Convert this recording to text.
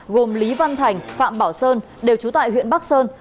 gồm lý văn thành phạm bảo sơn đều trú tại huyện bắc sơn